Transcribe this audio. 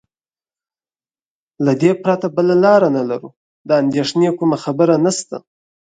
له دې پرته بله لار نه لرو، د اندېښنې کومه خبره نشته.